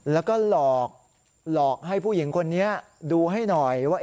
แล้วก็หลอกให้ผู้หญิงคนนี้ดูให้หน่อยว่า